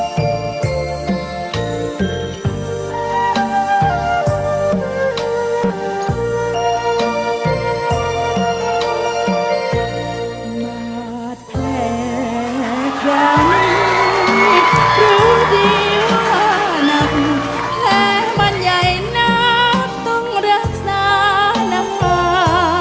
ก็แพ้ความรู้ดีว่านักแพ้มันใหญ่นักต้องรักษานักฮ่า